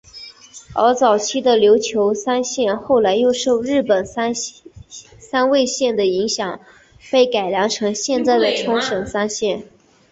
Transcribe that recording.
而早期的琉球三线后来又受日本三味线的影响被改良成现在的冲绳三线。